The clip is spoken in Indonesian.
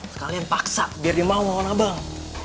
sekalian paksa biar dia mau mohon abang